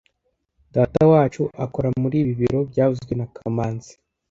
Datawacu akora muri ibi biro byavuzwe na kamanzi